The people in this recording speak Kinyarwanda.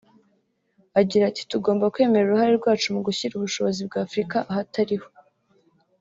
Agira ati “Tugomba kwemera uruhare rwacu mu gushyira ubushobozi bwa Afurika ahatari ho